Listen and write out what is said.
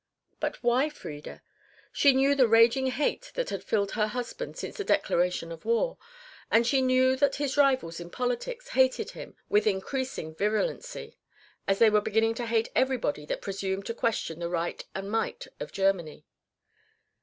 But why Frieda? She knew the raging hate that had filled her husband since the declaration of war, and she knew that his rivals in politics hated him with increasing virulency; as they were beginning to hate everybody that presumed to question the right and might of Germany.